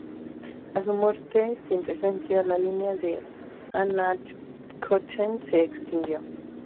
A su muerte sin descendencia, la línea de Anhalt-Köthen se extinguió.